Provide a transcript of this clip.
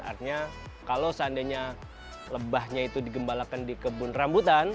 artinya kalau seandainya lebahnya itu digembalakan di kebun rambutan